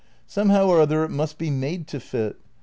Somehow or other it must be made to fit.